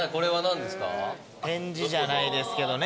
展示じゃないですけどね